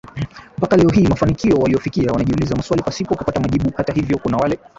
mpaka leo hii mafanikio waliyofikia wanajiuliza maswali pasipo kupata majibu Hata hivyo kuna wale